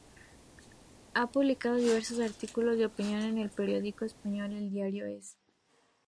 Ha publicado diversos artículos de opinión en el periódico español eldiario.es.